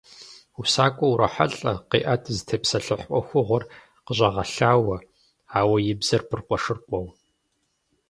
УсакӀуэ урохьэлӀэ, къиӀэт, зытепсэлъыхь Ӏуэхугъуэр къыщӀэгъэлъауэ, ауэ и бзэр быркъуэшыркъуэу.